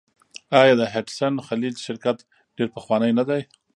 آیا د هډسن خلیج شرکت ډیر پخوانی نه دی؟